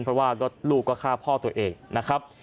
เพราะว่าลูกก็ฆ่าพ่อตัวเองนะครับ